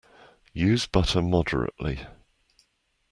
Use butter moderately.